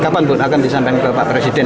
kapan pun akan disampaikan kepada bapak presiden